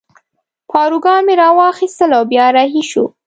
پاروګان مې را واخیستل او بیا رهي شوو.